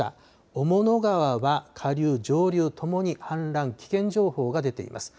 雄物川は下流上流ともに氾濫危険情報が出ています。